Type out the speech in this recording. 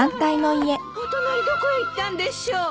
お隣どこへ行ったんでしょう？